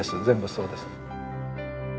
全部そうです。